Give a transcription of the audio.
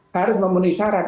harus memenuhi syarat